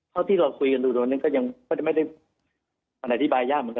เท่าที่เราคุยกันดูตอนนี้ก็ยังไม่ได้อธิบายยากเหมือนกัน